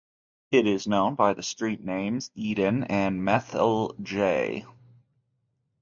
It is known by the street names Eden and Methyl-J.